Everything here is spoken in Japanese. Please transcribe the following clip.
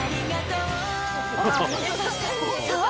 ［そう！